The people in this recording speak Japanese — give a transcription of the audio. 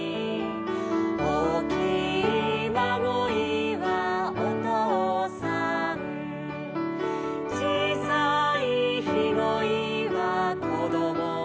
「おおきいまごいはおとうさん」「ちいさいひごいはこどもたち」